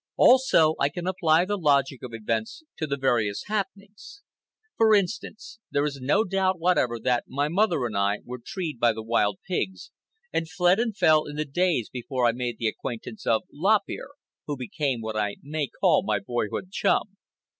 Also, I can apply the logic of events to the various happenings. For instance, there is no doubt whatever that my mother and I were treed by the wild pigs and fled and fell in the days before I made the acquaintance of Lop Ear, who became what I may call my boyhood chum.